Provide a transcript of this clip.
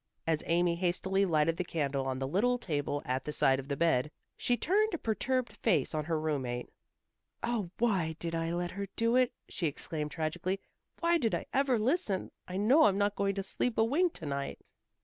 As Amy hastily lighted the candle on the little table at the side of the bed, she turned a perturbed face on her roommate. "Oh, why did I let her do it?" she exclaimed tragically. "Why did I ever listen? I know I'm not going to sleep a wink to night."